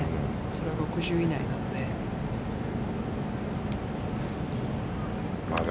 それは６０位以内なので。